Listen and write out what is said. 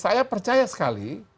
saya percaya sekali